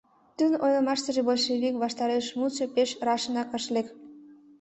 Тудын ойлымаштыже большевик ваштареш мутшо пеш рашыжак ыш лек.